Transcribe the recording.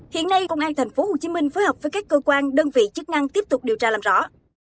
hiện nay công an tp hcm phối hợp với các cơ quan đơn vị chức năng tiếp tục điều tra làm rõ